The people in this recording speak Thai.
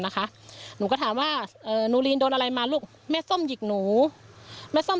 นะคะหนูก็ถามว่าเอ่อนูลีนโดนอะไรมาลูกแม่ส้มหยิกหนูแม่ส้ม